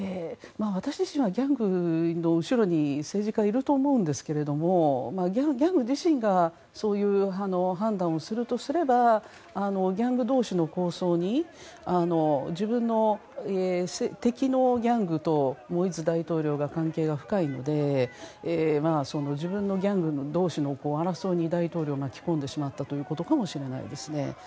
私自身はギャングの後ろに政治家がいると思うんですけどギャング自身がそういう判断をするとすればギャング同士の抗争に自分の敵のギャングとモイーズ大統領が関係が深いのでギャング同士の争いに大統領を巻き込んでしまったということかもしれないですね。